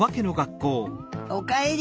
おかえり！